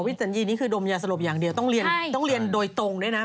วิสัญญีนี้คือดมยาสลบอย่างเดียวต้องเรียนโดยตรงด้วยนะ